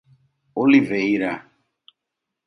Oliveira